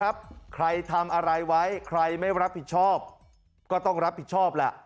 ใครทำอะไรไว้ใครไม่รับผิดชอบก็ต้องรับผิดชอบแหละ